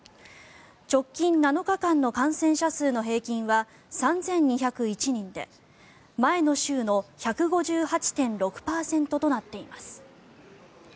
直近７日間の感染者数の平均は３２０１人で前の週の１５８．６％となっています。